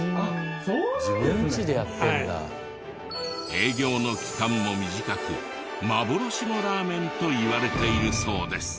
営業の期間も短く幻のラーメンといわれているそうです。